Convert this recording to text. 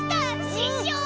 ししょう！